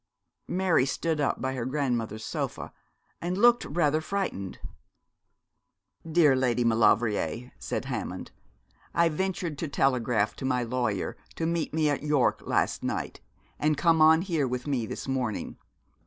Mary stood up by her grandmother's sofa, and looked rather frightened. 'Dear Lady Maulevrier,' said Hammond, 'I ventured to telegraph to my lawyer to meet me at York last night, and come on here with me this morning.